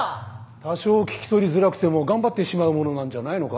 多少聞き取りづらくても頑張ってしまうものなんじゃないのか？